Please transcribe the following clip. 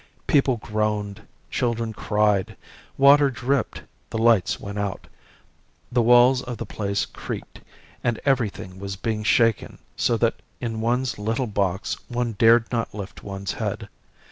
People groaned, children cried, water dripped, the lights went out, the walls of the place creaked, and everything was being shaken so that in one's little box one dared not lift one's head.